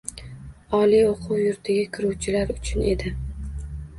Oliy oʻquv yurtiga kiruvchilar uchun edi.